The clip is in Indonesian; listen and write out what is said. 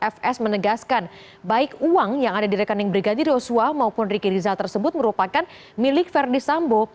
fs menegaskan baik uang yang ada di rekening brigadir yosua maupun riki rizal tersebut merupakan milik verdi sambo